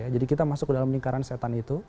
jadi kita masuk ke dalam lingkaran setan itu